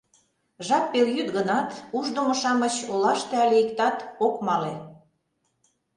Жап пелйӱд гынат, Ушдымо-шамыч Олаште але иктат ок мале.